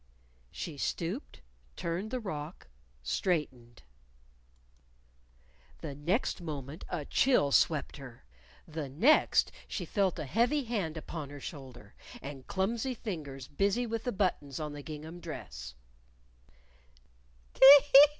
She stooped turned the rock straightened. The next moment a chill swept her; the next, she felt a heavy hand upon her shoulder, and clumsy fingers busy with the buttons on the gingham dress.